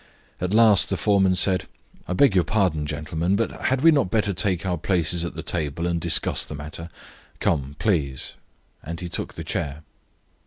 At last the foreman said: "I beg your pardon, gentlemen, but had we not better take our places at the table and discuss the matter? Come, please." And he took the chair.